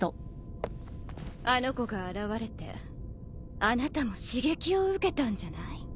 あの子が現れてあなたも刺激を受けたんじゃない？